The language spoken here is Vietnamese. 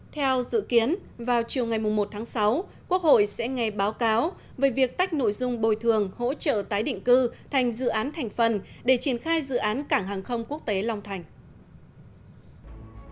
theo dự kiến vào chiều ngày một tháng sáu quốc hội sẽ nghe báo cáo về việc tách nội dung bồi thường hỗ trợ tái định cư thành dự án thành phần để triển khai dự án cảng hàng không quốc tế long thành